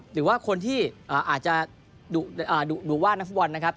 หรือว่าคนที่อาจจะดุว่านักฟุตบอลนะครับ